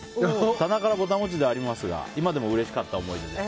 棚からぼた餅ではありますが今でもうれしかった思い出です。